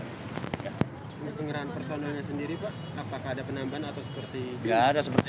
penggerahan personalnya sendiri pak apakah ada penambahan atau seperti